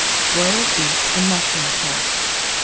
BROILED BEEF AND MUSHROOM SAUCE.